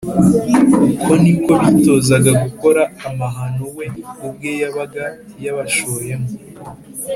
uko ni ko bitozaga gukora amahano we ubwe yabaga yabashoyemo